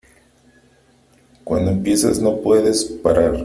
Cuando empiezas, no puedes parar.